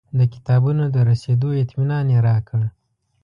د کتابونو د رسېدو اطمنان یې راکړ.